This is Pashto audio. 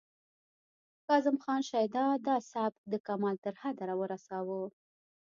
کاظم خان شیدا دا سبک د کمال تر حده ورساوه